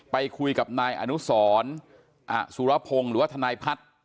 ไปคุยกับนายอนุสรอสุรพงศ์หรือว่าทนายพัฒน์